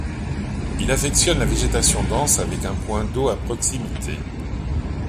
Il affectionne la végétation dense avec un point d'eau à proximité.